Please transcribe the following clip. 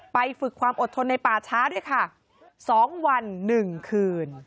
ฝึกความอดทนในป่าช้าด้วยค่ะ๒วัน๑คืน